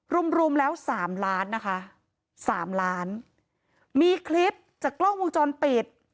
รวมรวมแล้วสามล้านนะคะสามล้านมีคลิปจากกล้องวงจรปิด